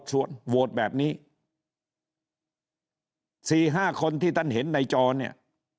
โหวทแบบนี้๔๕คนที่เป็นเห็นในจอเนี่ย